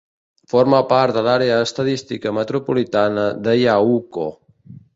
Forma part de l'Àrea Estadística Metropolitana de Yauco.